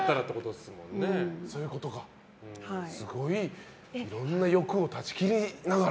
すごいいろんなよくを断ち切りながら。